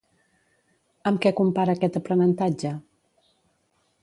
Amb què compara aquest aprenentatge?